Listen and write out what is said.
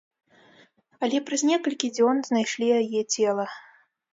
Але праз некалькі дзён знайшлі яе цела.